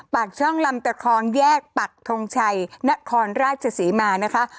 ปากช่องลำตะคองแยกปักทงชัยนครราชศรีมานะคะ